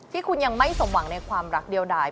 ที่คุณยังไม่สมหวังในความรักเดียวใด